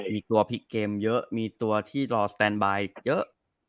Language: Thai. มีกลัวพลิกเกมเยอะมีตัวที่รอสแตนบายอีกเยอะ